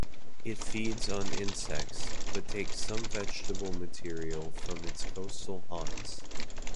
It feeds on insects, but takes some vegetable material from its coastal haunts.